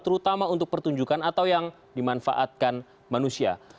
terutama untuk pertunjukan atau yang dimanfaatkan manusia